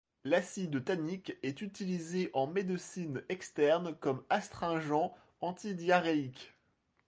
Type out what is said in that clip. L'acide tannique est utilisé en médecine externe comme astringent antidiarrhéique.